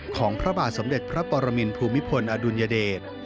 พระบาทสมเด็จพระปรมินภูมิพลอดุลยเดช